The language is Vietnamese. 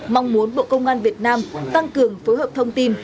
mong muốn bộ công an việt nam tăng cường phối hợp thông tin